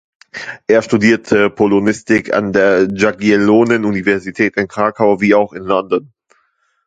Er studierte Polonistik an der Jagiellonen Universität in Krakau, wie auch in London.